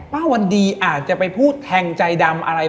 วันดีอาจจะไปพูดแทงใจดำอะไร